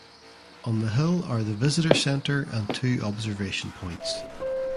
On the hill are the visitor center and two observation points.